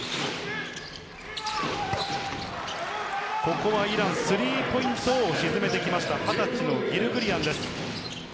ここはイラン、スリーポイントを沈めてきました、２０歳のギルグリアンです。